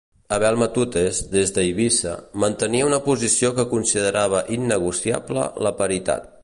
Abel Matutes, des d'Eivissa, mantenia una posició que considerava innegociable la paritat.